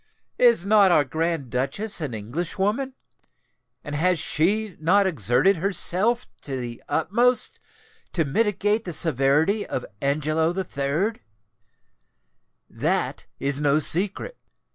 Is not our Grand Duchess an Englishwoman? and has she not exerted herself to the utmost to mitigate the severity of Angelo III? That is no secret.